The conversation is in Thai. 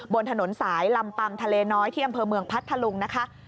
บนถนนสายลำปัมทะเลน้อยที่อำเภอเมืองพัทธลุงนะคะ